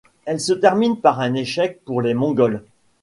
Elle se termine par un échec pour les Mongols.